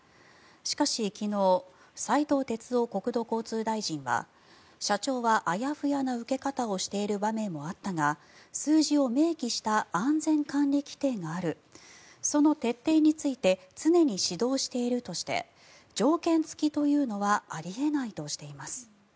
しかし、昨日斉藤鉄夫国土交通大臣は社長はあやふやな受け方をしている場面もあったが数字を明記した安全管理規程があるその徹底について常に指導しているとして条件付きというのはあり得ないとしています。